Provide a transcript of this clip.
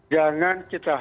jangan kita halus